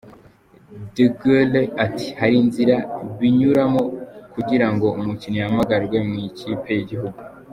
Degaule ati:” Hari inzira binyuramo kugira ngo umukinnyi ahamagarwe mu ikipe y’igihugu.